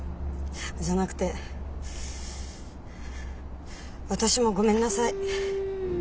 じゃなくて私もごめんなさい。